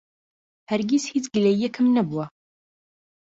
هەرگیز هیچ گلەیییەکم نەبووە.